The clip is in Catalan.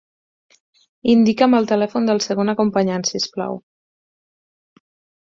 Indica'm el telèfon del segon acompanyant, si us plau.